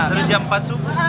dari jam empat subuh